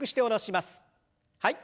はい。